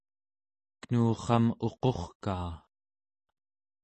kenurram uqurkaa